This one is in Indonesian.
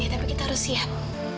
tapi kita harus siap